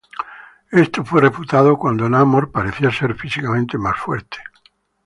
Esto fue refutado cuando Namor parecía ser físicamente más fuerte.